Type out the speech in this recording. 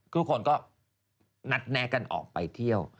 ทุกคนก็นัดแนะกันออกไปเที่ยว